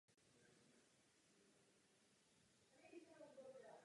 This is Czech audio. Jak jsem uvedla, návrh vychází z judikatury Soudního dvora.